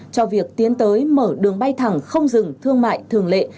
cho việc tiến tới mở đường bay thẳng không dừng thương mại thường lệ